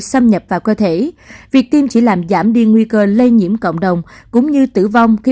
xâm nhập vào cơ thể việc tiêm chỉ làm giảm đi nguy cơ lây nhiễm cộng đồng cũng như tử vong khi